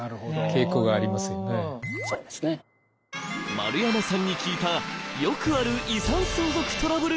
丸山さんに聞いたよくある遺産相続トラブル劇場。